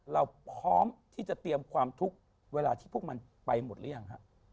เราพร้อมที่จะเตรียมความทุกข์เวลาที่พวกมันไปหมดหรือยังฮะ